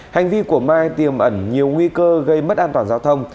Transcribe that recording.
hành vi của mai tiềm ẩn nhiều nguy cơ gây mất an toàn giao thông